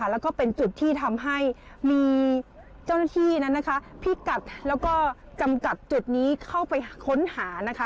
แล้วก็เป็นจุดที่ทำให้มีเจ้าหน้าที่นั้นนะคะพิกัดแล้วก็จำกัดจุดนี้เข้าไปค้นหานะคะ